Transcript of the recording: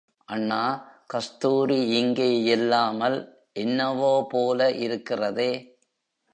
அண்ணா, கஸ்தூரி இங்கே இல்லாமல் என்னவோ போல இருக்கிறதே!